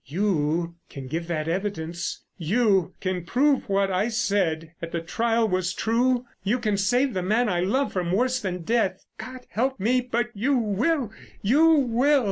You can give that evidence—you can prove that what I said at the trial was true—you can save the man I love from worse than death. God help me, but you will, you will!"